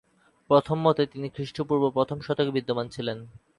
প্রথম মতে, তিনি খ্রিষ্টপূর্ব প্রথম শতকে বিদ্যমান ছিলেন।